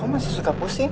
kau masih suka pusing